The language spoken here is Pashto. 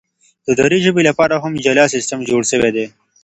د دري ژبي لپاره هم جلا سیستم جوړ سوی دی.